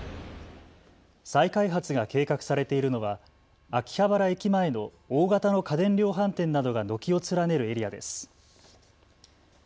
再開発が計画されているのは秋葉原駅前の大型の家電量販店などが軒を連ねるエリアです。